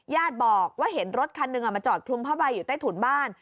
ญาติบอกว่าเห็นรถคันหนึ่งมาจอดคลุมผ้าใบอยู่ใต้ถุนบ้าน